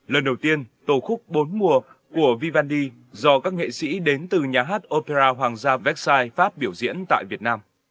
lần đầu tiên tổ khúc bốn mùa của vivendi do các nghệ sĩ đến từ nhà hát opera hoàng gia vexai phát biểu diễn tại việt nam